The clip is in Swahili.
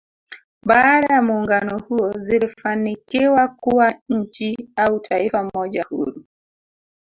Baada ya muungano huo zilifanikiwa kuwa nchi au Taifa moja huru